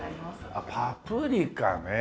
あっパプリカね。